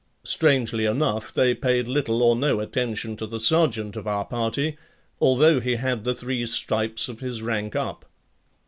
Strangely enough, they paid little or no attention to the sergeant of our party, although he had the three stripes of his rank up.